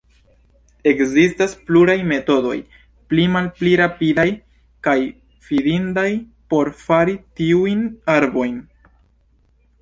Ekzistas pluraj metodoj, pli malpli rapidaj kaj fidindaj, por fari tiujn arbojn.